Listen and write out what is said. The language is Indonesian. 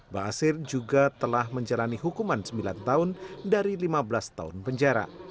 basir juga telah menjalani hukuman sembilan tahun dari lima belas tahun penjara